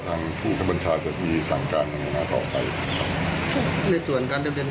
ทางผู้กำบัญชาจะมีสั่งการทำงานต่อไปครับในส่วน